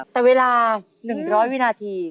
แต่เวลา๑๐๐วินาที